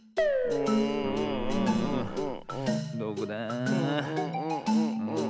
どこだ。